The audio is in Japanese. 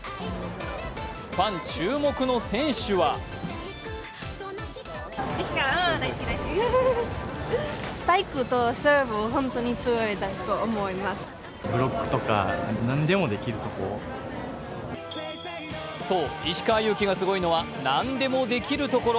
ファン注目の選手はそう、石川祐希がすごいのは何でもできるところ。